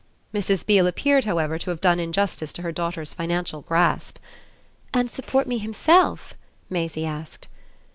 Mrs. Beale appeared, however, to have done injustice to her daughter's financial grasp. "And support me himself?" Maisie asked.